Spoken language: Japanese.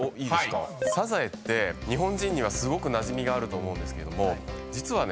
サザエって日本人にはなじみがあると思うんですけど実はね